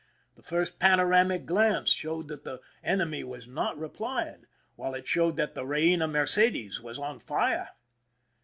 The first panoramic glance showed that the enemy was not replying, while it showed that the Beina Mercedes was on fire.